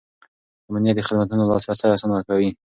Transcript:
امنیت د خدمتونو لاسرسی اسانه کوي.